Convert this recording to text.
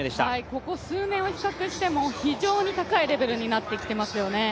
ここ数年を比較しても、非常に高いレベルになってきていますよね。